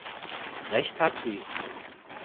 Recht hat sie!